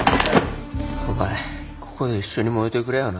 お前ここで一緒に燃えてくれよな。